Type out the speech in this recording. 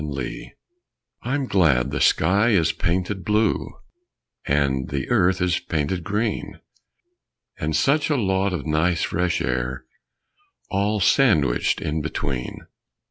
_ I'M GLAD I'm glad the sky is painted blue; And the earth is painted green; And such a lot of nice fresh air All sandwiched in between.